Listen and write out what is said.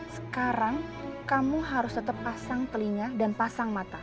sekarang kamu harus tetap pasang telinga dan pasang mata